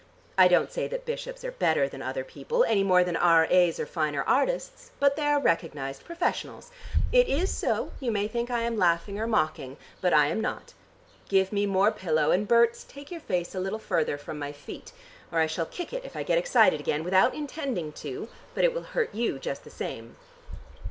I don't say that bishops are better than other people, any more than R.A.'s are finer artists, but they are recognized professionals. It is so: you may think I am laughing or mocking. But I am not. Give me more pillow, and Berts, take your face a little further from my feet. Or I shall kick it, if I get excited again, without intending to, but it will hurt you just the same."